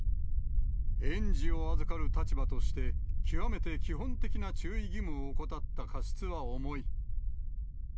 園児を預かる立場として、極めて基本的な注意義務を怠った過失は重い。